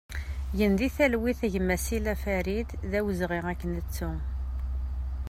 Gen di talwit a gma Cilla Farid, d awezɣi ad k-nettu!